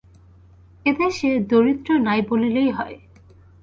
এ দেশে দরিদ্র নাই বলিলেই হয়।